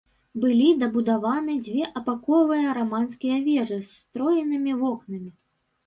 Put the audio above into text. Былі дабудаваны дзве апаковыя раманскія вежы з строенымі вокнамі.